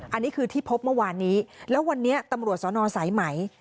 อันนี้คือที่พบเมื่อวานนี้แล้ววันนี้ตำรวจสนสายไหม